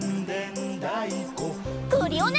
クリオネ！